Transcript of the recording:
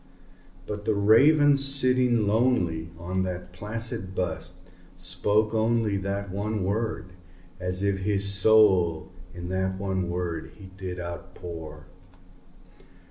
But the Raven, sitting lonely on that placid bust, spoke only That one word, as if his soul in that one word he did outpour.